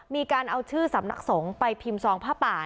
มีการเอาชื่อสำนักสงฆ์ไปพิมพ์ซองผ้าป่า